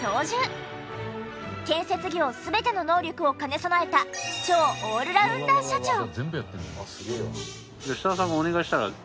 建設業全ての能力を兼ね備えた超オールラウンダー社長！